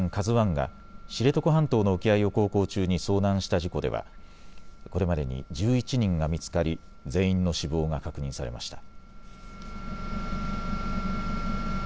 ＫＡＺＵＩが知床半島の沖合を航行中に遭難した事故では、これまでに１１人が見つかり全員の死亡が確認されました。